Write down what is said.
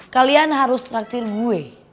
kalian harus traktir gue